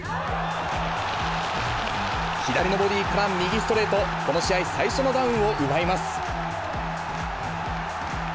左のボディから右ストレート、この試合、最初のダウンを奪います。